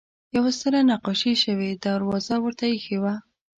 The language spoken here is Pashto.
یوه ستره نقاشي شوې دروازه ورته اېښې وه.